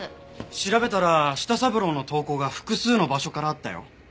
調べたら舌三郎の投稿が複数の場所からあったよ。